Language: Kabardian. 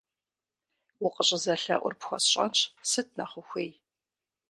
Укъыщӏызэлъэӏур пхуэсщӏэнщ, сыт нэхъ ухуей?